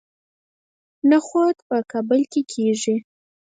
نخود په کابل کې کیږي